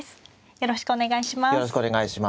よろしくお願いします。